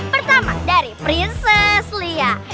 pertama dari prinses lia